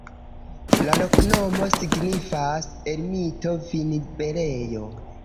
La loknomo signifas: ermito-vinberejo.